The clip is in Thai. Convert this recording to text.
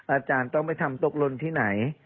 อาจารย์ต้องไปทำตกลนที่ไหน